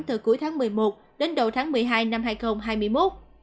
từ cuối tháng một mươi một đến đầu tháng một mươi hai năm hai nghìn hai mươi một